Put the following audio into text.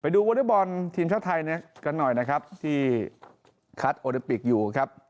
ไปดูวอริบอลทีมชาติไทยกันหน่อยที่คัทโอริปิกอยู่ครับ